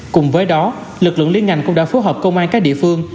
cùng với đó lực lượng liên ngành cũng đã phối hợp công an các địa phương